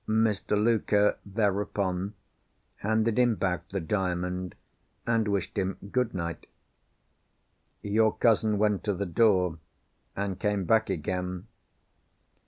Mr. Luker thereupon, handed him back the Diamond, and wished him good night. Your cousin went to the door, and came back again.